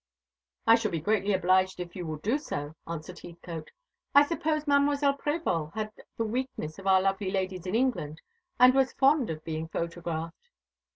"I shall be greatly obliged if you will do so," answered Heathcote. "I suppose Mademoiselle Prévol had the weakness of our lovely ladies in England, and was fond of being photographed."